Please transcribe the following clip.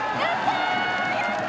やった！